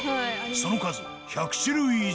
その数１００種類以上